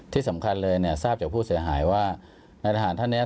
ที่สำคัญเลยเนี่ยทราบจากผู้เสียหายว่านายทหารท่านเนี่ย